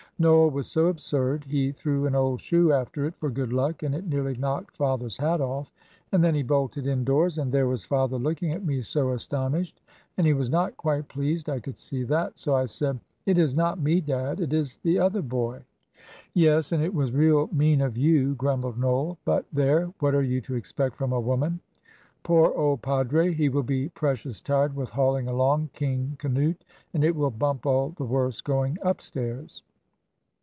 Noel was so absurd; he threw an old shoe after it for good luck, and it nearly knocked father's hat off and then he bolted indoors, and there was father looking at me so astonished, and he was not quite pleased, I could see that, so I said, 'It is not me dad, it is the other boy.'" "Yes, and it was real mean of you," grumbled Noel; "but there, what are you to expect from a woman? Poor old padre, he will be precious tired with hauling along 'King Canute,' and it will bump all the worse going upstairs."